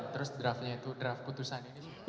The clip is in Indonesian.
terus draftnya itu draft putusan ini